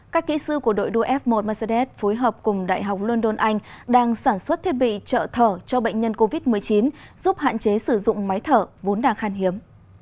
các kỹ sư của đội đua f một mercedes phối hợp cùng đại học london anh đang sản xuất thiết bị trợ thở cho bệnh nhân covid một mươi chín giúp hạn chế sử dụng máy thở vốn đang khan hiếm